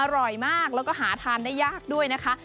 อร่อยมากแล้วก็หาทานได้ยากด้วยนะคะ